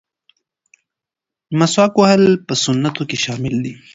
مسواک وهل په سنتو کې شامل دي.